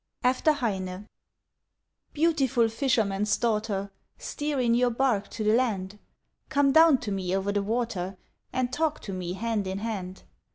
AFTER HEINE Beautiful fisherman's daughter, Steer in your bark to the land! Come down to me over the water And talk to me hand in hand!